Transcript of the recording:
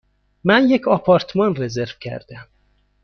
من یک آپارتمان رزرو کردم.